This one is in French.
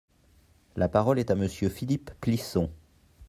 La parole est à Monsieur Philippe Plisson.